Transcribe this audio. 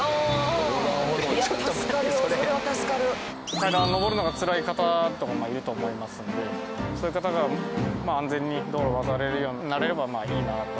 階段を上るのがつらい方とかもいると思いますのでそういう方が安全に道路を渡れるようになればいいなと。